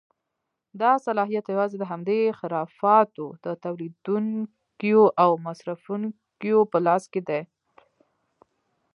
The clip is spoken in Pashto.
دا صلاحیت یوازې د همدې خرافاتو د تولیدوونکیو او مصرفوونکیو په لاس کې دی.